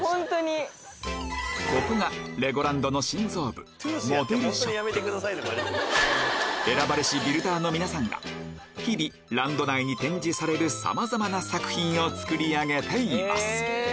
ここがレゴランドの心臓部選ばれしビルダーの皆さんが日々ランド内に展示されるさまざまな作品を作り上げています